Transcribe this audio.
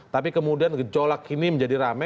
tapi kemudian gejolak ini menjadi rame